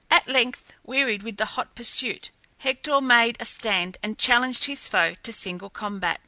At length, wearied with the hot pursuit, Hector made a stand and challenged his foe to single combat.